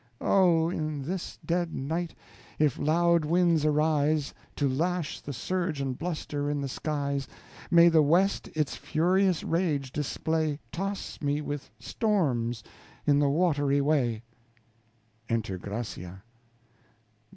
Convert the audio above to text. Oh! in this dead night, if loud winds arise, To lash the surge and bluster in the skies, May the west its furious rage display, Toss me with storms in the watery way. (Enter Gracia.)